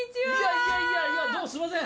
いやいやどうもすいません